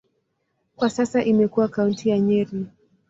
Kwa sasa imekuwa kaunti ya Nyeri.